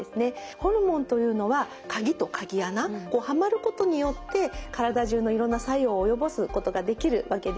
ホルモンというのは鍵と鍵穴はまることによって体中のいろんな作用を及ぼすことができるわけです。